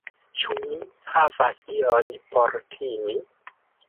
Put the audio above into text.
Ĉu mi havas ion por timi?